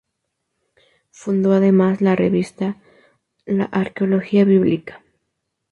Fundó además la revista "La Arqueología bíblica".